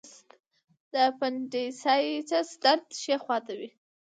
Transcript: د اپنډیسایټس درد ښي خوا ته وي.